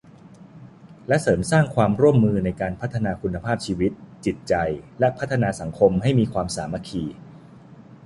และเสริมสร้างความร่วมมือในการพัฒนาคุณภาพชีวิต จิตใจ และพัฒนาสังคมให้มีความสามัคคี